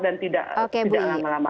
dan tidak lama lama